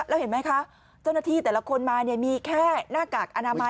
แล้วเห็นไหมคะเจ้าหน้าที่แต่ละคนมาเนี่ยมีแค่หน้ากากอนามัย